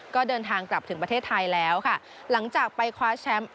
ก็เดินทางกลับถึงประเทศไทยแล้วค่ะหลังจากไปคว้าแชมป์